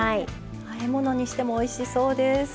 あえ物にしてもおいしそうです。